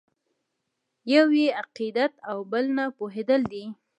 یو یې عقیدت او بل نه پوهېدل دي.